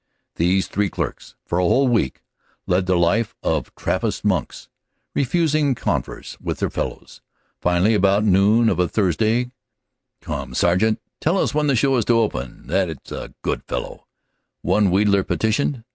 These three CANADA S HUNDRED DAYS clerks for a whole week led the life of Trappist monks, refus ing converse with their fellows. Finally about noon of a Thursday "Come Sergeant, tell us when the show is to open, that s a good fellow," one wheedler petitioned.